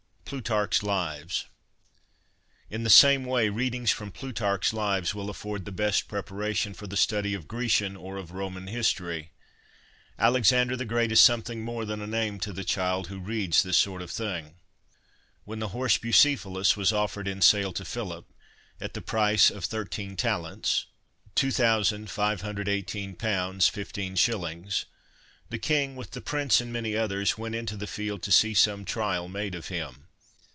Plutarch's ' Lives.' In the same way, readings from Plutarch's Lives will afford the best prepara tion for the study of Grecian or of Roman history. Alexander the Great is something more than a name to the child who reads this sort of thing :" When the horse Bucephalus was offered in sale to Philip, at the price of thirteen talents (= ^"2518, 155.), the king, with the prince and many others, went into the field to see some trial made of him.